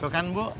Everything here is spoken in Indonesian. tuh kan bu